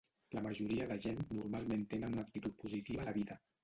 La majoria de gent normalment tenen una actitud positiva a la vida.